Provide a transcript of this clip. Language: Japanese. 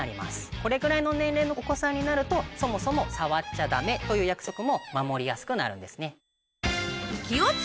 これくらいの年齢のお子さんになると「そもそも触っちゃダメ」という約束も守りやすくなるんですね。